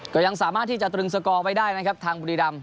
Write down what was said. ก็ยังสามารถที่จะตรึงสกอร์ไว้ได้นะครับทางบุรีรำ